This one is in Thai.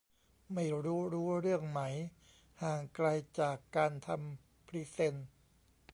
ไม่รู้รู้เรื่องไหม ห่างไกลจากการทำพรีเซ็น